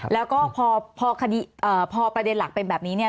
แล้วก็พอประเด็นหลักเป็นแบบนี้เนี่ย